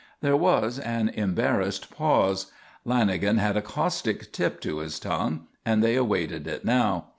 There was an embarrassed pause. Lanagan had a caustic tip to his tongue and they awaited it now.